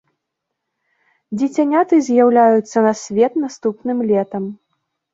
Дзіцяняты з'яўляюцца на свет наступным летам.